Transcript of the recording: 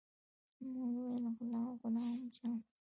ما وويل غلام جان.